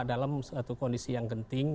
dalam suatu kondisi yang genting